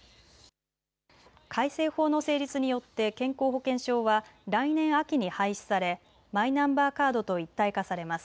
改正法の成立によって健康保険証は来年秋に廃止されマイナンバーカードと一体化されます。